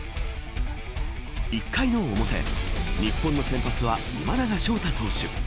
１回の表日本の先発は今永昇太投手。